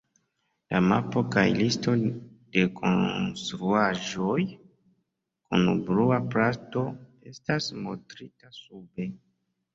La mapo kaj listo de konstruaĵoj kun Blua Plato estas montrita sube.